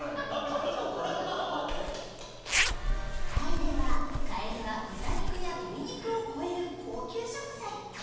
タイではカエルは豚肉や鶏肉を超える高級食材。